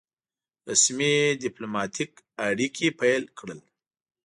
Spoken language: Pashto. رسمي ډيپلوماټیک اړیکي پیل کړل.